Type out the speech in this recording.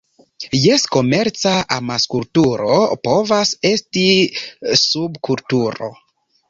Jes, komerca amaskulturo povas esti subkulturo.